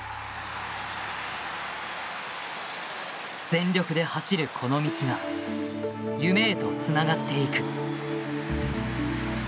全力で走るこの道が夢へとつながっていく。